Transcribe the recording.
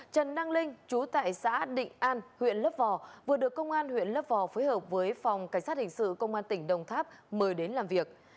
trần năng linh chú tại xã định an huyện lấp vò vừa được công an huyện lấp vò phối hợp với phòng cảnh sát hình sự công an tỉnh đồng tháp mời đến làm việc